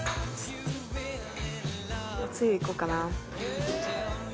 おつゆいこうかな。